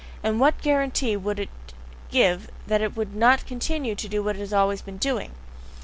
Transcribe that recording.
and what guarantee would it give that it would not continue to do what it has always been doing?